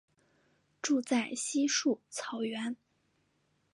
住在稀树草原。